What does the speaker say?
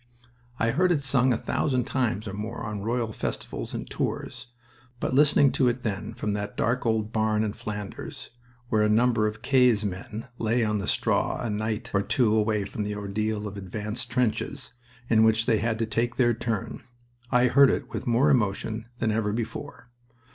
I heard it sung a thousand times or more on royal festivals and tours, but listening to it then from that dark old barn in Flanders, where a number of "K.'s men" lay on the straw a night or two away from the ordeal of advanced trenches, in which they had to take their turn, I heard it with more emotion than ever before.